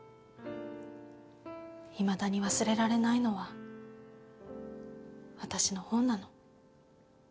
いまだに忘れられないのは私の方なの。